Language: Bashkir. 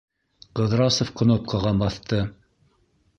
Ҡыҙрасов кнопкаға баҫты.